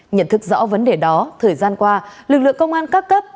nhận thức rõ vấn đề đó thời gian qua lực lượng công an các cấp